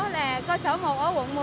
là cơ sở một ở quận một mươi